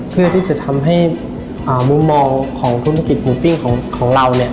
เพื่อที่จะทำให้มุมมองของธุรกิจหมูปิ้งของเราเนี่ย